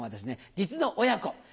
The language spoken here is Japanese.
実の親子。